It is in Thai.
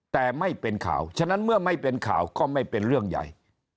แต่ไม่เป็นข่าวฉะนั้นเมื่อไม่เป็นข่าวก็ไม่เป็นเรื่องใหญ่